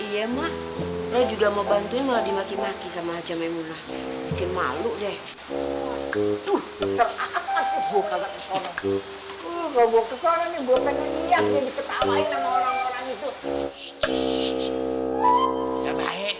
iya mah juga mau bantuin lagi makin makin sama aja memang bikin malu deh tuh